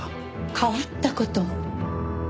変わった事？